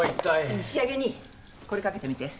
うん仕上げにこれかけてみて。